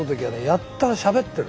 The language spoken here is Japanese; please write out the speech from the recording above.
やたらしゃべってる。